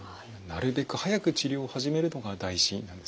なるべく早く治療を始めるのが大事なんですね。